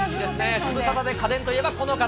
ズムサタで家電といえばこの方。